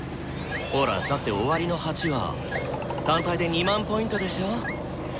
ほらだって「終わりの鉢」は単体で２万Ｐでしょ？